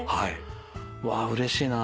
わあうれしいな。